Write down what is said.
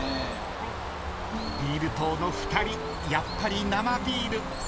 ［ビール党の２人やっぱり生ビール］